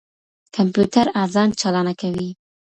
کمپيوټر آذان چالانه کوي.